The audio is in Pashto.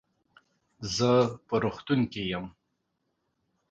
زه په روغتون کې يم.